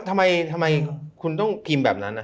ใช่ทำไมคุณต้องพิมพ์แบบนั้นอ่ะ